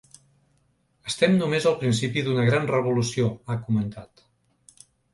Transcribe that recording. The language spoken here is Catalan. “Estem només al principi d’una gran revolució”, ha comentat.